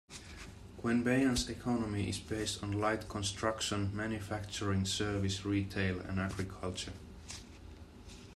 Queanbeyan's economy is based on light construction, manufacturing, service, retail and agriculture.